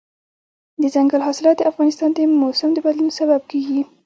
دځنګل حاصلات د افغانستان د موسم د بدلون سبب کېږي.